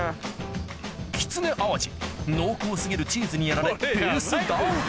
きつね・淡路濃厚過ぎるチーズにやられペースダウン